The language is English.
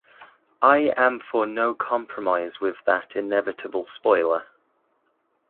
I am for no compromise with that inevitable spoiler.